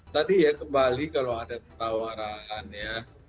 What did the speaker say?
tadi ya kembali kalau ada tawaran ya